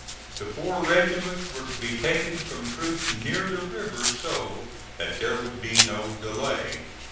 The four regiments were to be taken from troops near the river so that there would be no delay.